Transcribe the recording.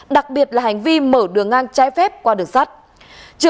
đặc biệt là hành vi mở đường ngang trái phép qua đường sắt